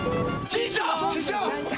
師匠！